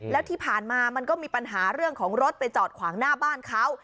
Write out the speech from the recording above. แล้วที่ผ่านมามันก็มีปัญหาเรื่องของรถไปจอดขวางหน้าบ้านเขา